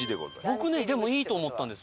僕ねいいと思ったんです